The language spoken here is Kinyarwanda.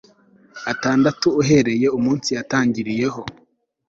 atandatu uhereye umunsi yatangiriyeho